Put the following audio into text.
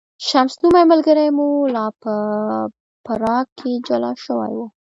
شمس نومی ملګری مو لا په پراګ کې جلا شوی و.